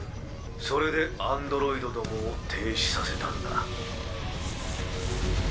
それでアンドロイドどもを停止させたんだ。